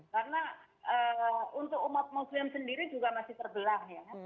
karena untuk umat muslim sendiri juga masih terbelah ya